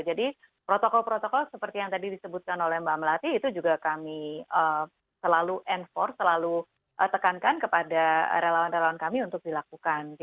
jadi protokol protokol seperti yang tadi disebutkan oleh mbak melati itu juga kami selalu tegankan kepada relawan relawan kami untuk dilakukan